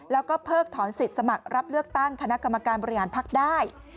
แล้วก็เพิกถอนสิทธิ์สมัครรับเลือกตั้งคณะกรรมการบริหารภักดิ์ได้